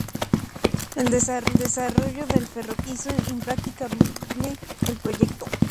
El desarrollo del ferrocarril hizo impracticable el proyecto.